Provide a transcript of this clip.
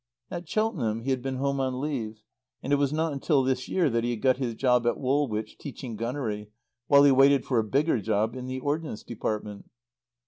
At Cheltenham he had been home on leave; and it was not until this year that he had got his job at Woolwich teaching gunnery, while he waited for a bigger job in the Ordnance Department.